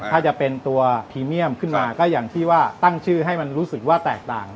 ถ้าจะเป็นตัวพรีเมียมขึ้นมาก็อย่างที่ว่าตั้งชื่อให้มันรู้สึกว่าแตกต่าง